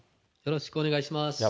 よろしくお願いします。